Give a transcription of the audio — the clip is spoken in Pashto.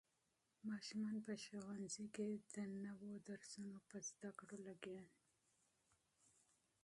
ماشومان په ښوونځي کې د نوو درسونو په زده کړه لګیا دي.